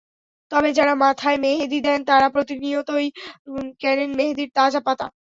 তবে যাঁরা মাথায় মেহেদি দেন তাঁরা নিয়মিতই কেনেন মেহেদির তাজা পাতা।